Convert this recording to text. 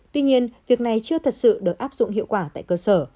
tuy nhiên việc này chưa thật sự được áp dụng hiệu quả tại cơ sở